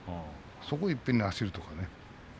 そこをいっぺんに走るとかね。